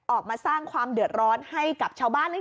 ออกมาสร้างความเดือดร้อนให้กับชาวบ้านเล็ก